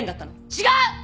違う！